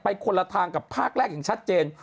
คนละทางกับภาคแรกอย่างชัดเจน